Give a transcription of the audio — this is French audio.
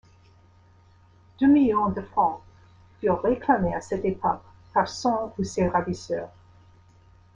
Deux millions de francs furent réclamés à cette époque par son ou ses ravisseurs.